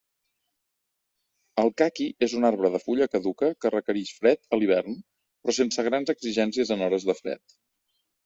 El caqui és un arbre de fulla caduca que requerix fred a l'hivern, però sense grans exigències en hores de fred.